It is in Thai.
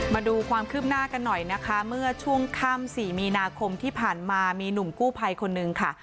มาดูความคืบหน้ากันหน่อยนะคะเมื่อช่วงค่ำ๔มีนาคมที่ผ่านมามีหนุ่มกู้ภัยคนนึงค่ะ